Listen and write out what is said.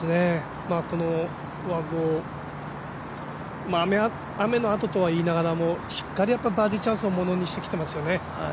この和合雨のあととは言いながらもしっかりバーディーチャンスをものにしてきますよね。